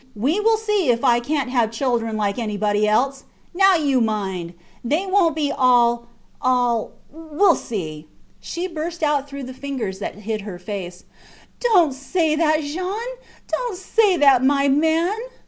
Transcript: ... We will see if I cant have children like anybody else ... now you mind. ... They wont be all ... all ... we see. ... She burst out through the fingers that hid her face Dont say that, Jean; dont say that, my man!